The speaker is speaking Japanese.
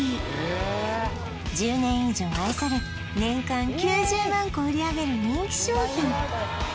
１０年以上愛され年間９０万個売り上げる人気商品